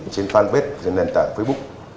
trên fanpage trên nền tảng facebook